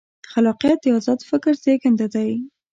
خلاقیت د ازاد فکر زېږنده دی.